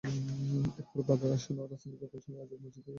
এরপর বাদ এশা রাজধানীর গুলশানের আজাদ মসজিদে তাঁর প্রথম জানাজা অনুষ্ঠিত হয়।